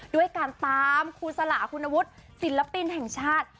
ด้วยการตามครูสลาคุณวุฒิศิลปินแห่งชาติ